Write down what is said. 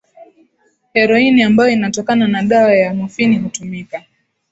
Heroini ambayo inatokana na dawa ya mofini hutumika